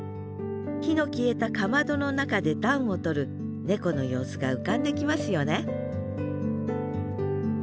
火の消えた竈の中で暖をとる猫の様子が浮かんできますよね